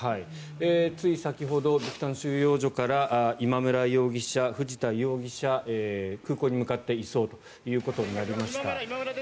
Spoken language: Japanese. つい先ほどビクタン収容所から今村容疑者、藤田容疑者が空港に向かって移送ということになりました。